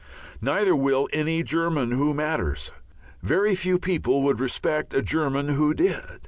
Neither will any German who matters. Very few people would respect a German who did.